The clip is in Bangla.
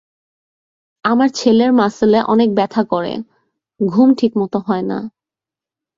আমার ছেলের মাসলে অনেক ব্যথা করে, ঘুম ঠিকমত হয় না।